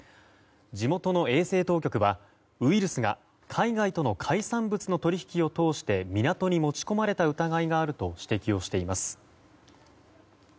地元の衛生当局はウイルスが海外との海産物の取引を通して港に持ち込まれた疑いがあると指摘をしています。